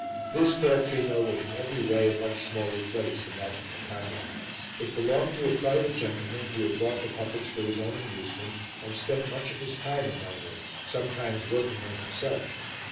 This teatrino was in every way a much smaller place than that in Catania; it belonged to a private gentleman who had bought the puppets for his own amusement and spent much of his time among them, sometimes working them himself.